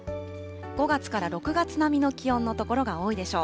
５月から６月並みの気温の所が多いでしょう。